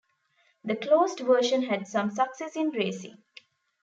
The closed version had some success in racing.